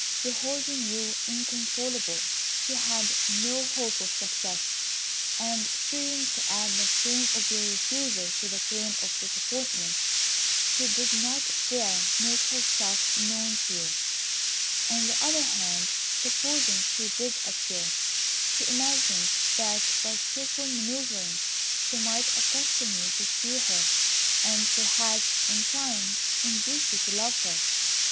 Beholding you inconsolable, she had no hope of success, and fearing to add the shame of your refusal to the pain of disappointment, she did not dare make herself known to you; on the other hand, supposing she did appear, she imagined that by skilful manœuvring, she might accustom you to see her, and perhaps in time induce you to love her.